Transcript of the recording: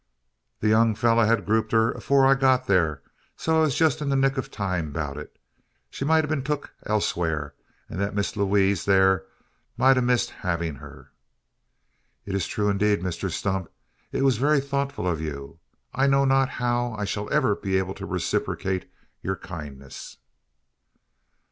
"The young fellur hed grupped her afore I got thur; so I wur jess in the nick o' time 'bout it. She mout a been tuck elswhar, an then Miss Lewaze thur mout a missed hevin' her." "It is true indeed, Mr Stump! It was very thoughtful of you. I know not how I shall ever be able to reciprocate your kindness?"